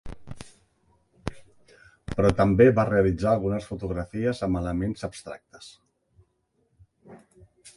Però també va realitzar algunes fotografies amb elements abstractes.